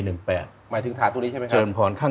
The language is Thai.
หมายถึงฐานตรงนี้ใช่ไหมครับเชิญพร